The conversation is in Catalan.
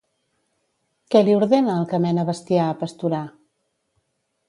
Què li ordena el que mena bestiar a pasturar?